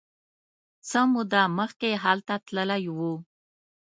څه موده مخکې هلته تللی و.